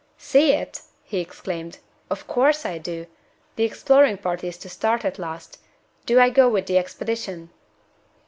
"See it?" he exclaimed; "of course I do! The exploring party is to start at last. Do I go with the expedition?"